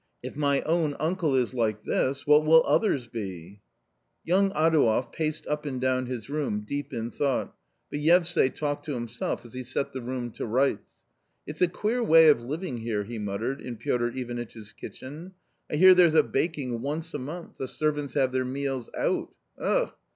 " If my own uncle is like this, what will others be ?" Young Adouev paced up and down his room deep in thought, but Yevsay talked to himself as he set the room to rights. •' It's a queer way of living here," he muttered, in Piotr Ivanitch's kitchen. " I hear there's a baking once a month, the servants have their meals out. Ugh